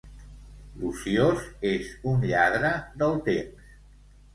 L'ociós és un lladre del temps.